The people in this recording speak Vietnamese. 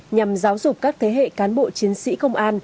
nhằm giáo dục các thế hệ cán bộ chiến sĩ công an